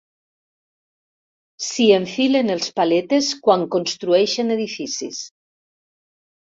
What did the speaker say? S'hi enfilen els paletes quan construeixen edificis.